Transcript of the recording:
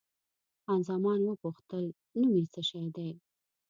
خان زمان وپوښتل، نوم یې څه شی دی؟